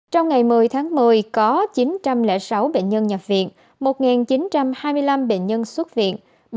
trong ngày một mươi tháng một mươi có chín trăm linh sáu bệnh nhân nhập viện một chín trăm hai mươi năm bệnh nhân xuất viện